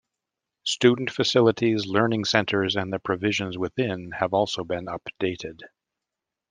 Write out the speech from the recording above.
Student facilities, learning centres and the provisions within have also been updated.